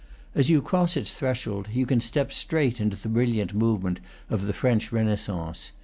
As you cross its threshold, you step straight into the brilliant movement of the French Renaissance.